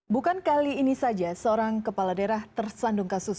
bukan kali ini saja seorang kepala daerah tersandung kasus